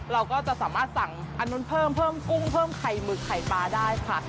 เราก็จะสามารถสั่งอันนู้นเพิ่มเพิ่มกุ้งเพิ่มไข่หมึกไข่ปลาได้ค่ะ